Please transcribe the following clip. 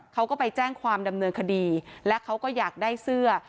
เขาก็ไปแจ้งความดำเนินคดีและเขาก็อยากได้เสื้อ